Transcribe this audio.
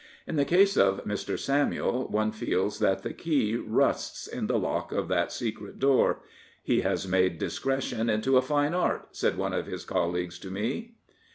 In the case of Mr. Samuel one feels that the key rusts in the lock of that secret door. He has made discretion into a fine art/' said one of his colleagues to me.